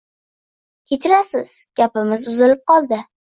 Kechirasiz, gapimiz uzilib qoldi.